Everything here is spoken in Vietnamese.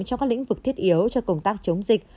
trong các lĩnh vực thiết yếu cho công tác chống dịch